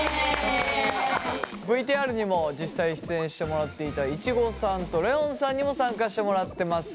ＶＴＲにも実際出演してもらっていたいちごさんとレオンさんにも参加してもらってます。